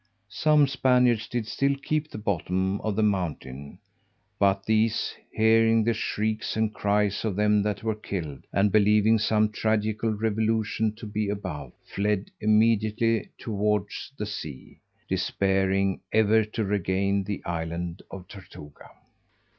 Some Spaniards did still keep the bottom of the mountain; but these, hearing the shrieks and cries of them that were killed, and believing some tragical revolution to be above, fled immediately towards the sea, despairing ever to regain the island of Tortuga.